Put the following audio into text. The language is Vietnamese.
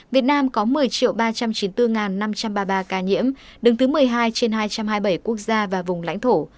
việt nam có một mươi ba trăm chín mươi bốn năm trăm ba mươi ba ca nhiễm đứng thứ một mươi hai trên hai trăm hai mươi bảy quốc gia và vùng lãnh thổ